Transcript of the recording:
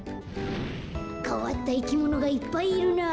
かわったいきものがいっぱいいるなあ。